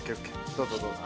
どうぞどうぞ。